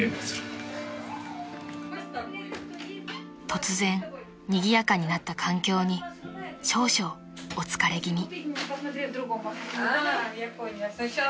［突然にぎやかになった環境に少々お疲れ気味］